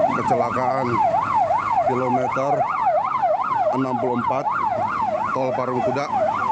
kecelakaan kilometer enam puluh empat tol parungkuda